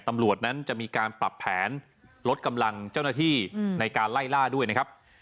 ตำรวจนั้นจะมีการปรับแผนลดกำลังเจ้าหน้าที่ในการไล่ล่าด้วยนะครับ